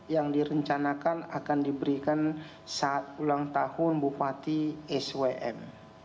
yang direncanakan akan diberikan saat ulang tahun bupati swm